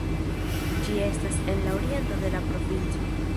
Ĝi estas en la oriento de la provinco.